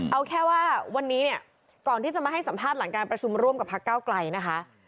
เอาแค่ว่าวันนี้เนี่ยก่อนที่จะมาให้สัมภาษณ์หลังการประชุมร่วมกับพักเก้าไกลนะคะ